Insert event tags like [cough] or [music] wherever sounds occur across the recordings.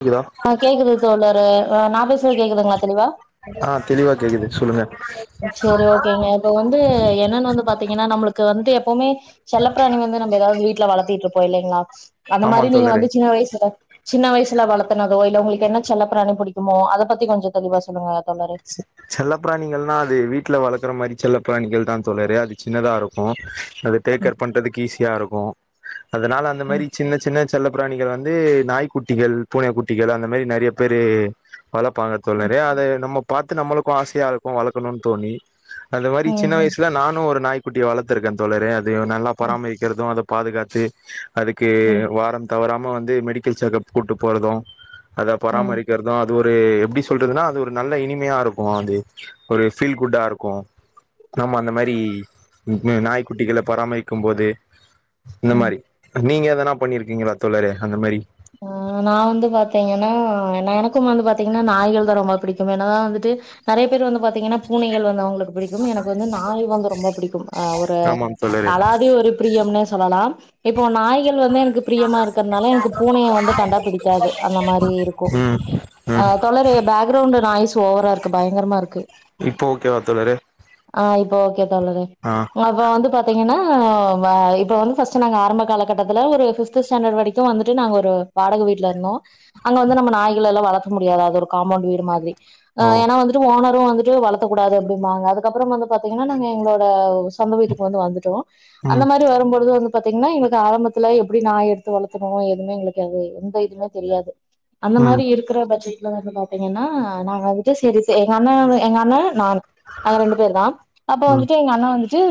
கேக்குதா ஆ கேக்குது தோழரே அ நா பேசறது கேக்குதுங்ளா தெளிவா ஆ தெளிவா கேக்குது சொல்லுங்க சேரி ஓகேங்க இப்ப வந்து என்னன் வந்து பாத்தீங்கனா நம்மளுக்கு வந்து எப்பவுமே செல்லப்பிராணி வந்து நம்ம எதாவது வீட்ல வளத்திட்ருப்போ இல்லைங்ளா அந்த ஆமா மாரி நீங்க தோழரே வந்து சின்ன வயசுல சின்ன வயசுல வளத் தனதோ இல்ல உங்களுக்கு என்ன செல்ல பிராணி புடிக்குமோ அத பத்தி கொஞ்ச தெளிவா சொல்லுங்க தோழரே செல்லப்ப பிராணிகள்னா அது வீட்டுல வளர்க்குற மாதிரி செல்லப்பிராணிகள்னா அது வீட்ல வளக்கற மாரி செல்ல பிராணிகள் தா தோழரே அது சின்னதா இருக்கு அது டேக்கர் பண்றதுக்கு ஈஸியா இருக்கு அதனால அந்த ம் மாரி சின்ன சின்ன செல்ல பிராணிகள் வந்து நாய்க்குட்டிகள் பூன குட்டிகள் அந்த மாரி நெறைய பேரு வளப்பாங்க ம் தோழரே அத நம்ம பாத்து நம்மளுக்கு ஆசையா இருக்கு வளக்கனுன் தோணி அது மாரி சின்ன ம் வயசுல நானு ஒரு நாய்குட்டி வளத்துருக்கே தோழரே அதுகள நல்லா ம் பராமரிக்கிறது அத பாதுகாத்து அதுக்கு ம் வார தவறாம வந்து மெடிக்கல் செக்கப் கூப்ட்டு போறது அத ம் ம் பராமரிக்கிறது அது ஒரு எப்டி சொல்றதுனா அது ஒரு நல்ல இனி மியாருக்கு அது ஒரு ஃபீல் குட்டா இருக்கு நம்ம அந்த மாரி ம் ம் நாய்க்குட்டிகள பராமரிக்கு போது இந்த ம் மாரி நீங்க எதனா பண்ணிருக்கீங்களா தோழரே அந்த மாரி ம் நா வந்து பாத்தீங்கன்னா எனக்கும் வந்து பாத்தீங்கனா நாய்கள் தா ரொம்ப புடிக்கு ஏனா வந்துட்டு நெறைய பேர் வந்து பாத்தீங்கனா பூனைகள் வந்து அவுங்களுக்கு புடிக்கும் எனக்கு வந்து நாய் வந்து ரொம்ப புடிக்கும் ஆ ஒரு ஆமாம் தோழரே அலாதி ஒரு பிரியம்னே சொல்லலா இப்போ நாய்கள் வந்து எனக்கு பிரியமா இருக்கற்னால எனக்கு உ வந்து கண்டா பிடிக்காது அந்த மாரி இருக்கு ம் ஆ ம் தோழரே பேக் கிரவுண்ட் நாய்ஸ் ஓவரா இருக்கு பயங்கரமா இருக்கு இப்ப ஓகேவா தோழரே ஆ இப்போ ஓகே தோழரே ஆ அப்ப வந்து பாத்தீங்கனா வ இப்ப வந்து ஃபஸ்ட்டு நாங்க ஆரம்ப காலகட்டதுல ஒரு ஃபிப்து ‌ஸ்டான்டட் வரைக்கு வந்து டு நாங்க ஒரு வாடக வீட்ல இருந்தோ அங்க வந்து நம்ம நாய்களல்லா வளக்க முடியாது அது ஒரு காம்பவுண்ட் வீடு மாதிரி ஆ ஓ ஏன்னா வந்து ட்டு ஓனரு வந்துட்டு வளத்தக்கூடாது அப்டிம்பாங்க அதுக்கப்பறம் வந்து பாத்தீங்கன்னா நாங்க எங்களோட சொந்த வீட்டுக்கு வந்து வந்துட்டோ அந்த ம் மாரி வரும்பொழுது வந்து பாத்தீங்கன்னா எங்களுக்கு ஆரம்பத்துல எப்டி நாய் எடுத்து வளத்த ணு எதுமே எங்களுக்கு அது எந்த இதுமே தெரியாது அந்த ம் மாரி இருக் கற பட்சத்துல வந்து பாத்தீங்கன்னா நாங்க வந்துட்டு செரி செ எங்கண்ண அ எங்கண்ண நானு நாங்க ரெண்டு பேர்தா அப்ப ம் வந்துட்டு எங்க அண்ண வந்து ட்டு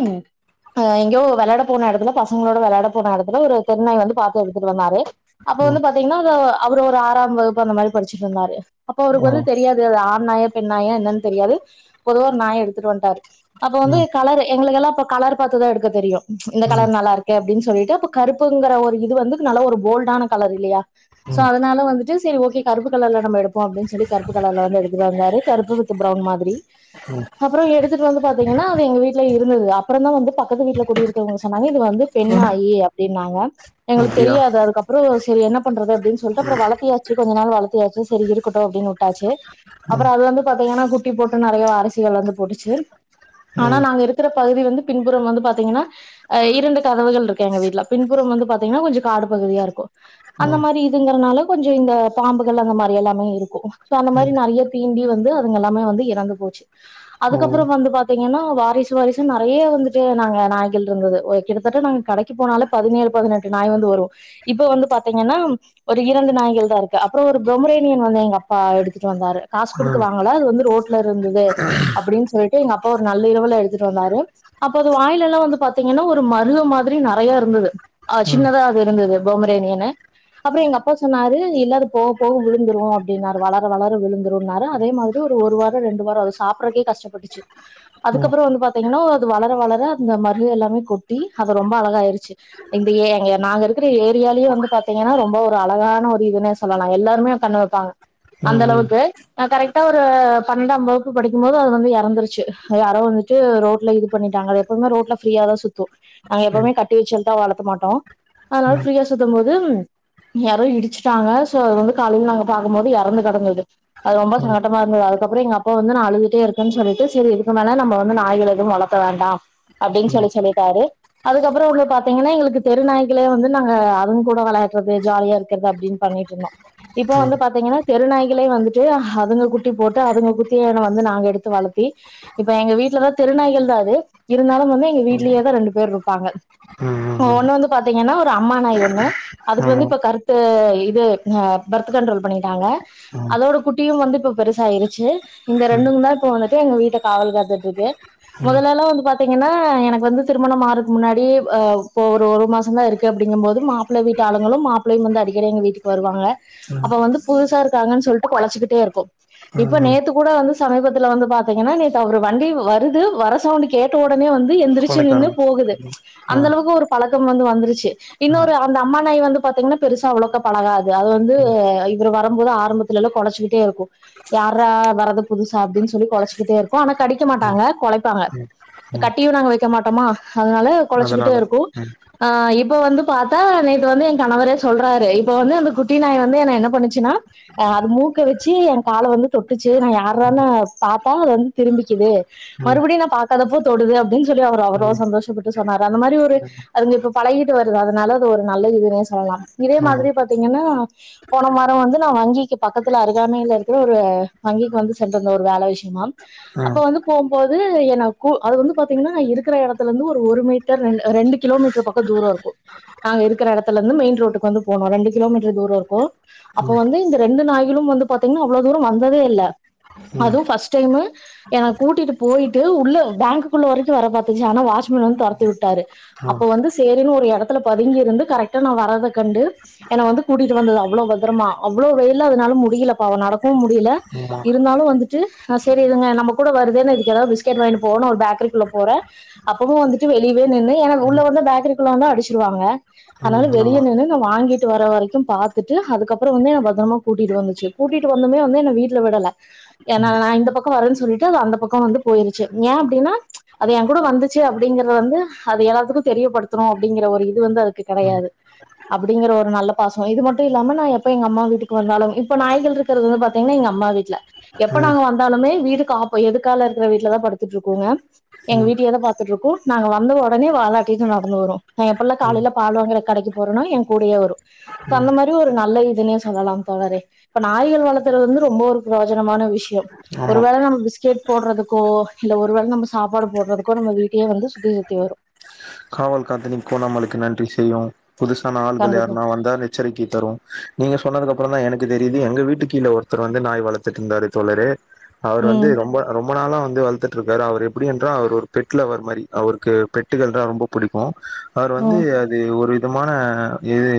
ஆ எங்கயோ வெளையாட போன எடத்துல பசங்களோட வெளையாட போன எடத்துல ஒரு தெருநாய் வந்து பாத்து எடு த்துட்டு வந்தாரு அப்ப வந்து ம் பாத்தீங்கன்னா அது அவரு ஒரு ஆறாம் வகுப்பு அந்த மாரி படிச்சுட்டு இருந்தாரு அப்ப அவருக்கு ஆமா வந்து தெரியாது அது ஆண் நாயா பெண் நாயா என்னன்னு தெரியாது பொதுவா ஒரு நாய எடுத்துட்டு வந்ட்டாரு அப்ப வந்து ம் கலரு எங்களுக்கெல்லா அப்ப கலர் பாத்துதா எடுக்க தெரியு ம் இந்த கலர் நல்லா இரு க்கு அப்டின்னு சொல்லிட்டு அப்ப கருப்புங்குற ஒரு இது வந்து நல்ல ஒரு போல்டான கலர் இல்லையா சோ அதனால வந்துட்டு செரி ஓகே கருப்பு கலர்ல நம்ம எடுப்போ அப்டின்னு சொல்லி கருப்பு கலர்ல வந்து எடுத்துட்டு வந்தாரு கருப்பு வித் பிரவுன் மாதிரி ம் அப்றோ எடுத்துட்டு வந்து பாத்தீங்கன்னா அது எங்க வீட்ல இருந்தது அ ப்பறந்தா வந்து பக்கத்து வீட்ல குடி இருக்கறவங்க சொன்னாங்க இது வந்து பெண் நாயி அப்டின்னாங்க எங்களுக்கு அப்டியா தெரியாது அதுக்கப் றோ செரி என்ன பண்றது அப்டின் சொல்ட்டு அப்பறோ வளத்தியாச்சு கொஞ்ச நாள் வளத்தியாச்சு சரி இருக்கட்டு அப்டின்னு விட்டாச்சு அப்பறோ அது வந்து பாத்தீங்கன்னா குட்டி போட்டு நெறைய வாரிசுகள் வந்து போட்டுச்சு ஆனா ம் நாங்க இருக்கிற பகுதி வந்து பின்புறம் வந்து பாத்தீங்கன்னா ஆ இரண்டு கதவுகள் இருக்கு எங்க வீட்ல பின்புறம் வந்து பாத்தீங்கன்னா கொஞ்ச காடு பகுதியா இருக்கு அந்த ம் மாரி இதுங்குறனால கொஞ்ச இந்த பாம்புகள் அந்த மாரி எல்லாமே இருக்கு சோ அந்த மாரி நெறைய தீண்டி வந்து அதுங்க எல்லாமே வந்து இறந்து போச்சு ஓ அதுக்கப்பறோ வந்து பாத்தீங்கன்னா வாரிசு வாரிசுன்னு நெறைய வந்துட்டு நாங்க நாய்கள் இருந்தது ஒரு கிட்டத்தட்ட நாங்க கடை க்கி போனாலே பதினேழு பதினெட்டு நாய் வந்து வரு இப்ப வந்து பாத்தீங்கன்னா ஒரு இரண்டு நாய்கள்தா இருக்கு அப்பறோ ஒரு பொமரேனியன் வந்து எங்க அப்பா எடுத்துட்டு வந்தாரு காசு குடுத் து வாங்கல அது வந்து ரோட்ல இருந்தது அப்பிடின்னு சொல்லிட்டு எங்க அப்பா ஒரு நள்ளிரவுல எடுத்துட்டு வந்தாரு அப்ப அது வாயில எல்லா வந்து பாத்தீங்கன்னா ஒரு மருகு மாதிரி நெறைய இருந்தது ஆ ம் ம் சின்னதா இருந்தது பொமரேனியனு அப்றோ எங்க அப்பா சொன்னாரு இல்ல அது போக போக விழுந்துரு அப்டின்னாரு வளர வளர விழுந்துருன்னாரு அதே மாதி ரி ஒரு ஒரு வாரோ ரெண்டு வாரோ அது சாப்பட்றக்கே கஷ்டப்பட்டுச்சு ம் ம் ம் அதுக்கப்பறோ வந்து பாத்தீங்கன்னா அது வளர வளர அந்த மருகு எல்லாமே கொட்டி அது ரொம்ப அழகாயிருச்சு இந்த ஏ அங்க நாங்க இருக்கிற ஏரியாலேயே வந்து பாத்தீங்கன்னா ரொம்ப ஒரு அழகான ஒரு இதுன்னே சொல்லலா எல்லாருமே கண்ணு வப்பாங்க ம் அந்த ம் ம் அளவுக்கு நா கரெக்டா ஒரு பன்னெண்டாம் வகுப்பு படிக்கும் போது அது வந்து எறந்துருச்சு அது யாரோ வந்துட்டு ரோட்ல இது பண்ணிட்டாங்க அத எப்பவுமே ரோட்ல ஃபிரீயாதா சுத்து நாங்க எப்பவுமே கட்டி வச்சு [unintelligible] வளத்த மாட்டோ அதனால ம் ம் ஃப்ரீயா சுத்தும் போது யாரோ இடிச்சுட்டாங்க சோ அது வந்து காலைல நாங்க பாக்கும்போது எறந்து கெடந்தது அது ரொம்ப சங்கட்டமா இருந்தது அதுக்கப்புற எங்க அப்பா வந்து நா அழுதிட்டே இருக்கேன்னு சொல்லிட்டு சரி இதுக்கு மேல நம்ம வந்து நாய்கள் எதும் வளத் த வேண்டா அப்டின்னு ம் ம் சொல்லி சொல்லிட்டாரு அதுக்கப்பறோ உள்ளது பாத்தீங்கன்னா எங்களுக்கு தெரு நாயி களே வந்து நாங்க அதுங்க கூட வெளையாடுறது ஜாலியா இருக்கிறது அப்டின்னு பண்ணிட்ருந்தோ இப்போ வந்து பாத்தீங்கன்னா தெருநாய்களே வந்துட்டு அதுங்க குட்டி போட்டு அதுங்க குட்டிகள வந்து நாங்க எடுத்து வளத்தி இப்ப எங்க வீட்லதா தெருநாய்கள்தா அது இருந்தாலும் வந்து எங்க வீட்லயேதா ரெண்டு பேர் இருப்பாங்க ம் ம் ம் ஒண்ணு வந்து பாத்தீங்கன்னா ஒரு அம்மா நாய் ஒண்ணு அதுக்கு ஆமா வந்து இப்ப கருத்த இது ஆ பெர்த் கண்ட்ரோல் பண்ணிட்டாங்க ம் அதோட குட்டியு வந்து இப்ப பெருசாயிருச்சு இந்த ரெண்டுந்தா இப்ப வந்துட்டு எங்க வீட்ட காவல் காத்துட்டுருக்கு மொதலல்லா வந்து பாத்தீங்கன்னா எனக்கு வந்து திருமணம் ஆறதுக்கு முன்னாடியே அ இப்ப ஓ ஒரு மாசம் தா இருக்கே அப்டிங்க போது மாப்பிளை வீட்டு ஆளுங்களு மாப்பிளையு வந்து அடிக்கடி எங்க வீட்டுக்கு வருவாங்க ம் அப்ப வந்து புதுசா இருக்காங்கன்னு சொல்லிட்டு கொலச்சுக்கிட்டே இருக்கும் ம் இப்ப ம் நேத்து கூட வந்து சமீபத்துல வந்து பாத்தீங்கன்னா நேத்து அவர் வண்டி வருது வர சவுண்ட் கேட்ட உடனே வந்து எந்திரிச்சு நின்னு கொலைக்கானல் போகுது ச் ஆ அந்த அளவுக்கு ஒரு பழக்கம் வந்து வந்துருச்சு இன்னு ஒரு ஆ அந்த அம்மா நாய் வந்து பாத்தீங்கன்னா பெருசா அவ்ளக்கா பழகாது அது வந்து இவர் வரும்போது ஆரம்பத்துல எல்லா கொலச்சுக்கிட்டே இருக்கு யார்ரா வர்றது புதுசா அப்டின்னு சொல்லி கொலச்சுக்கிட்டே இருக்கும் ஆனா கடிக்க ம் மாட்டாங்க கொலப்பாங்க ம் ம் கட்டியு நாங்க வைக்க மாட்டோமா அதனால கொலச்சுக்கிட்டே அதனால இருக்கு ம் ஆ இப்ப வந்து பாத்தா நேத்து வந்து என் கணவரே சொல்றாரு இப்ப வந்து அந்த குட்டி நாய் வந்து என் என்ன பண்ணுச்சுன்னா அ அது மூக்க வச்சு என் கால வந்து தொட்டுச்சு நா யாரானு பாத்தா அது வந்து திரும்பிக்குது ம் மறுபடியு நா பாக்காதப்போ தொடுது அப்டின்னு சொல்லி அவர் அவ்ளோ ம் சந்தோஷப்பட்டு சொன்னாரு அந்த மாரி ஒரு ம் அதுங்க இப்ப பழகிட்டு வருது அதனால அது ஒரு நல்ல இதுன்னே சொல்லலா இதே ஆமா மாதிரி பாத்தீங்கன்னா போன வாரம் வந்து நா வங்கிக்கு பக்கத்துல அருகாமையில இருக்கற ஒரு வங்கிக்கு வந்து சென்றிருந்த வேல விஷயமா அப்ப ம் வந்து போம்போது என்ன கூ அது வந்து பாத்தீங்கன்னா நா இருக்கிற எடத்துலருந்து ஒரு மீட்டர் ரெண்டு கிலோமீட்டர் பக்கத்து ஊரா இருக்கு நாங்க இருக்கிற எடத்துல இருந்து மெயின் ரோட்டுக்கு வந்து போனு ரெண்டு கிலோமீட்டர் தூரோ இருக்கு அப்ப ம் வந்து இந்த ரெண்டு நாய்களும் வந்து பாத்தீங்கன்னா அவ்ளோ தூரோ வந்ததே இல்ல ம் அதுவு ஃபர்ஸ்ட் டைமு என கூட்டிட்டு போயிட்டு உள்ள பேங்குக்குள்ள வரைக்கு வர பாத்துச்சு ஆனா வாட்ச்மேன் வந்து தொரத்தி விட்டாரு ஆ அப்ப வந்து சேரின்னு ஒரு எடத்துல பதுங்கி இருந்து கரெக்ட்டா நா வர்றத கண்டு என்ன வந்து கூட்டிட்டு வந்தது அவ்ளோ பத்திரமா அவ்ளோ வெயில்ல அதனால முடியல பாவோ நடக்கவு முடியல ஆமா இருந்தாலு வந்துட்டு அ செரி இதுங்க நம்ம கூட வருதேன்னு இதுக்கு ஏதாவது பிஸ்கெட் வாங்கிட்டு போவோணு ஒரு பேக்கரிக்குள்ள போறே அப்பவு வந்துட்டு வெளியவே நின்னு ஏன்னா உள்ள வந்தா பேக்கரிக்குள்ள வந்தா அடிச்சிருவாங்க அதனால ம் வெளியே ஆமா நின்னு நா வாங்கிட்டு வர வரைக்கு பாத்துட்டு அதுக்கப்பறோ வந்து என் பத்திரமா கூட்டிட்டு வந்துச்சு கூட்டிட்டு வந்துமே வந்து என்ன வீட்ல விடல ஏனா நா இந்த பக்கோ வரேன்னு சொல்லிட்டு அது அந்த பக்கோ வந்து போயிருச்சு ஏ அப்டின்னா ச் அது எ கூட வந்துச்சு அப்டிங்கறது வந்து அது எல்லாத்துக்கு தெரியப்படுத்துறோ அப்டிங்கிற ஒரு இது வந்து அதுக்கு ம் கெடையாது அப்டிங்கிற ஒரு நல்ல பாசோ இது மட்டு இல்லாம நா எப்ப அம்மா வீட்டுக்கு வந்தாலு இப்ப நாய்கள் இருக் றது வந்து பாத்தீங்கன்னா எங்க அம்மா வீட்ல எப்ப ம் நாங்க வந்தாலுமே வீடு காப்போ எதுக்கால இருக்கிற வீட்டுலதா படுத்துட்டு இருக்ககோங்க எங்க ம் வீட்டயே தா பாத்துட்டுருக்கு நாங்க வந்த உடனே வாலாட் நடந்து வரு நா எப்பல்லா ம் காலையில பால் வாங்க கடைக்கு போறேனா என் கூடயே வரு அந்த மாரி ஒரு நல்ல இதுனே சொல்லலாம் தோழரே இப்ப நாய்கள் வளர்த்துறது வந்து ரொம்ப ஒரு பிரோஜனமான விஷயம் ஒரு ஆமா வேள நம்ம பிஸ்கெட் போடுறதுக்கோ இல்ல ஒரு வேள நம்ம சாப்பாடு போடுறதுக்கோ நம்ம வீட்டையே வந்து சுத்தி சுத்தி வரு காவல் காத்து நீ கோனாமலக்கு நன்றி செய்யு புதுசான ஆள்கள் கண்டிப்பா யாருன்னா வந்தா எச்சரிக்கை தரு நீங்க சொன்னதுக்கு அப்றோ தா எனக்கு தெரியுது எங்க வீட்டு கீழ ஒருத்தர் வந்து நாய் வளத்துட்டு இருந்தாரு தோழரே அவரு வந்து ம் ரொம்ப ரொம்ப நாளா வந்து வளத்துட்டுருக்காரு அவர் எப்டி என்றால் அவர் பெட் லவ்வர் மாரி அவருக்கு பெட்டுகள்ன ரொம்ப புடிக்கு அவர் வந்து ம் அது ஒரு விதமான இது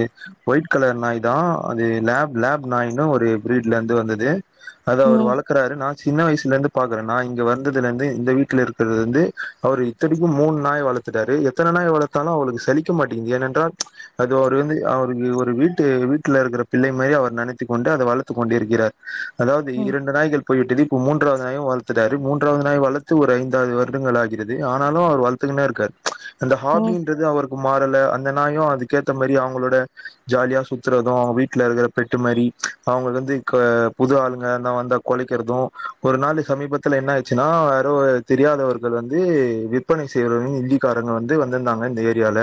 ஒயிட் கலர் நாய் தா அது லேப் லேப் நாய்ன்னு ஒரு பிரீட்ல இருந்து வந்தது அத அவர் ம் வளக் கறாரு நா சின்ன வயசுல இருந்து பாக்குறே நா இங்க வந்ததுலருந்து இந்த வீட்ல இருந்ததுல இருந்து அவரு திருப்பி மூணு நாய் வளத்துட்டாரு எத்தன நாய் வளத்தாலு அவருக்கு சலிக்க மாட்டேங்குது ஏனென்றால் ச் அது அவர் வந்து அவரு ஒரு வீட்டு வீட்டுல இருக்கிற பிள்ளை மாரி அவர் நினைத்துக் கொண்டு அதை வளத்து கொண்டு இருக்கிறார் அதாவ்து ம் இரண்டு நாய்கள் போய்விட்டது இப்ப மூன்றாவது நாயு வளத்துட்டாரு மூன்றாவது நாய் வளத்து ஒரு ஐந்தாறு வருடங்கள் ஆகிறது ஆனாலு அவர் வளத் துனுதா இருக்கார் அந்த ம் ஹாபின்றது அவருக் மாறல அந்த நாயு அதுக்கேத்த மாரி அவ்ங்களோட ஜாலியா சுத்துறது வீட்ல இருக்குற பெட்டு மாரி அவ்ங்களுக்கு வந்து க புது ஆளுங்க எதா வந்தா கொழைக்கிறது ஒரு நாளு சமீபத்துல என்ன ஆச்சுன்னா யாரோ தெரியாதவர்கள் வந்து விற்பனை செய்ற இந்திக்கா காரவ்ங்க வந்து வந்திருந்தாங்க இந்த ஏரியால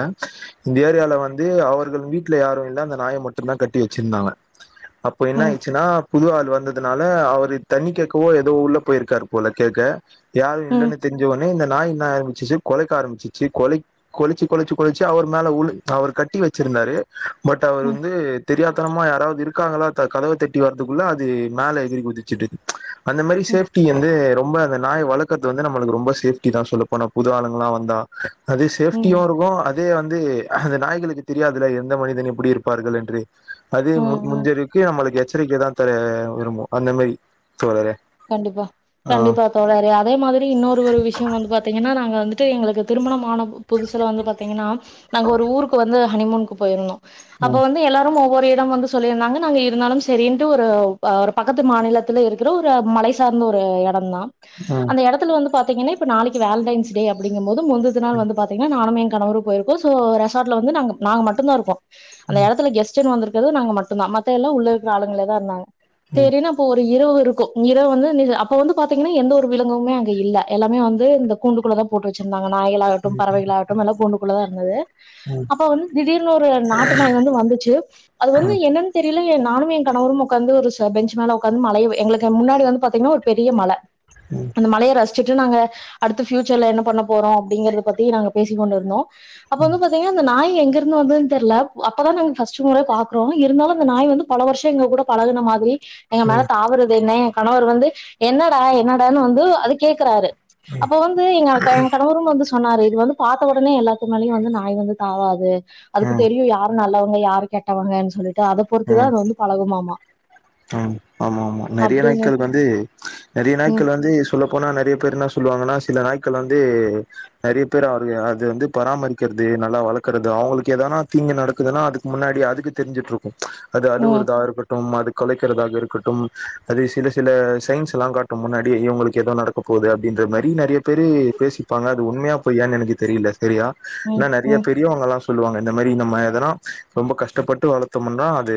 இந்த ஏரியால வந்து அவர்கள் வீட்ல யாரு இல்ல அந்த நாய மட்டுந்தா கட்டி வெச்சிர்ந்தாங்க ப்போ என்ன ம் ஆய்ச்சுன்னா புது ஆள் வந்ததுனால அவரு தண்ணி கேக்கவோ ஏதோ உள்ள போயிருக்காரு போல கேக்க யாரு ம் ம் இல்லன்னு தெரிஞ்ச ஒன்னே இந்த நாய் ஆரம்பிச்சுச்சு கொழைக்க ஆரம்பிச்சி ச்சி கொழைக் கொழிச்சு கொழிச்சு கொழச்சு அவர் மேல உளு அவர் கட்டி வச்சிருந்தாரு பட் அவர் ம் வந்து தெரியாத்தனமா யாராவ்து இருக்காங்களா த கதவ தட்டி வர்த்துக்குள்ள அது மேல எகிரி குதிச்சுட்டு அந்த மாரி சேஃப்டி வந்து ரொம்ப அந்த நாய வள கற்து வந்து நம்மளுக்கு ரொம்ப சேஃப்டி தா சொல்லப் போனா புது ஆளுங்களா வந்தா அதே சேஃப்டியு ம் இருக்கு அ தே வந்து அந்த நாய்களுக்கு தெரியாதுல எந்த மனிதன் எப்டி இருப்பார்கள் என்று அது ம் மு ம் முந் க்கு நம்மளுக்கு எச்சரிக்கை தா த விரும்பு அந்த மேரி தோழரே கண்டிப்பா ஆ கண்டிப்பா தோழரே அதே மாதிரி இன்னொரு ஒரு விஷயொ வந்து பாத்தீங்கன்னா நாங்க வந்துட்டு எங்களுக்கு திருமணம் ஆன புதுசுல வந்து பாத்தீங்கன்னா நாங்க ஒரு ஊருக்கு வந்து ஹனிமூனுக்கு போய்ருந்தோ அப்ப ம் வந்து எல்லாரும் ஒவ்வொரு இடம் வந்து சொல்லியிருந்தாங்க நாங்க இருந்தாலும் செரின்ட்டு ஒரு ஒரு பக்கத்து மாநிலத்துல இருக்குற ஒ ரு மலை சார்ந்த ஒரு எடொந்தா ம் அந்த எடத்துல வந்து பாத்தீங்கன்னா இப்ப நாளைக்கு வேலண்டைன்ஸ் டே அப்டிங்கம் போது முந்துது நாள் வந்து பாத்தீங்கன்னா நானும் ஏ கணவரு போய்ருக்கோ சே ரெசாட்ல வந்து நாங்க நாங்க மட்டுந்தா இருக்கோ அந்த ம் எடத்துல கெஸ்ட்டுன் வந்துருக்குறது நாங்க மட்டுந்தா மத்த எல்லா உள்ள இருக்குற ஆளுங்களேதா இருந்தாங்க ம் சேரினு போ ஒரு இரவு இருக்கு இரவு வந்து [unintelligible] அப்ப வந்து பாத்தீங்கன்னா எந்த ஒரு விலங்குமே அங்க இல்ல எல்லாமே வந்து இந்த கூண்டுக்குள்ளதா போட்டு வச்சிர்ந்தாங்க நாய்கள் ம் ஆவட்டும் ம் பறவைகள் ஆவட்டும் எல்லா கூண்டுக்குள்ளதா இருந்துது ம் அப்பொ வந்து திடீர்னு ஒரு நாட்டு நாய் வந்து வந்துச்சு அது வந்து ம் என்னன் தெரிய்ல என் நானு என் கணவரும் உக்காந்து ஒரு ச பெஞ்சு மேல உக்காந்து மலைய எங்களுக் முன்னாடி வந்து பாத்தீங்கன்னா ஒரு பெரிய மல ம் அந்த மலைய ரசிச்சுட்டு நாங்க அடுத்து ஃப்யூச்சர்ல என்ன பண்ண போறோ அப்டிங்கிறத பத்தி நாங்க பேசிக்கொண்டிரிந்தோ அப்போ வந்து பாத் தீங்னா அந்த நாய் எங்கேர்ந்து வந்துதுன் தெர்ல அப்பதா நாங்க ஃபஸ்ட்டு மொற பாக்குறோ இருந்தாலு அந்த நாய் வந்து பல வர்ஷொ எங்கக் கூட பழகுன மாதிரி எங்க ம் மேல தாவறது என்ன ஏங் கணவர் வந்து என்னடா என்னடான்னு வந்து அது கேக்குறாரு அப்போ வந் து எங்க ஏங் கணவரும் வந்து சொன்னாரு இது வந்து பாத்த ஒடனே எல்லாத்து மேலயு வந்து நாய் வந்து தாவாது அதுக்கு ம் தெரியு யாரு நல்லவங்க யாரு கெட்டவங்கன் சொல்லிட்டு அதப் பொறுத்துதா அது வந்து பழகுமாமா ம் ஆமா ஆமா நறைய அப்டின்னு நாய்க்கள் வந்து நறைய ம் நாய்க்கள் வந்து சொல்லப் போனா நறைய பேர் என்னா சொல்லுவாங்கன்னா சில நாய்க்கள் வந்து நறைய பேர் அவரு அது வந்து பராமரிக்கிறது நல்லா வளக்குறது அவ்ங்களுக்கு ஏதானா தீங்கு நடக்குதுன்னு அதுக் முன்னாடி அதுக்கு தெரிஞ்சுட்ருக்கு அது ம் அழுவறதா இருக்கட்டும் அது கொழைக்கிறதாகருக் கட்டும் அது சில சில சயின்ஸ் எல்லா காட்டு முன்னாடி இவ்ங்களுக்கு ஏதோ நடக்க போது அப்டின்ற மாரி நறைய பேரு பேசிப்பாங்க அது உண்மையா பொய்யான்னு எனக்கு தெரியல சேரியா ம் ஏனா நெறைய ம் பெரிய அவங்க எல்லா சொல்லுவாங்க இந்த மாரி நம்ம இததெல்லா ரொம்ப கஷ்டப்பட்டு வளத்தமுனா அது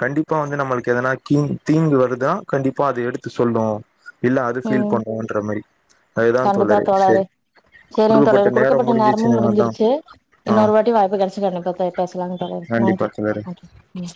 கண்டிப்பா வந்து நம்மளுக்கு எதனா கீங் தீங்கு வருதா கண்டிப்பா அத எடுத்து சொல்லு இல்ல அது ஃபீல் ம் பண்ணோன்ற மாரி அதுதா தோழரே சேரி சேரிங்க தோழரே கொடுக்கப்பட்ட நேரமு அதா முடிஞ்சிருச்சு ஆ இன்னொரு வாட்டி வாய்ப்பு கிச்சி கண்டிப்ப பே பேசலாங் தோழரே கண்டிப்பா தோழரே ஓகே ம்